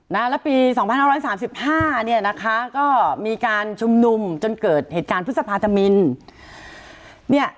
แล้วปี๒๕๓๕เนี่ยนะคะก็มีการชุมนุมจนเกิดเหตุการณ์พฤษภาธมิน